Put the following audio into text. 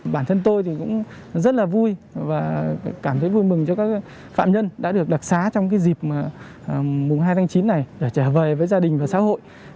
bản thân tôi thì cũng rất là vui và cảm thấy vui mừng cho các phạm nhân đã được đặc xá trong dịp mùng hai tháng chín này để trở về với gia đình và xã hội